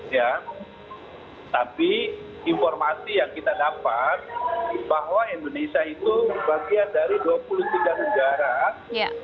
ya tapi informasi yang kita dapat bahwa indonesia itu bagian dari dua puluh tiga negara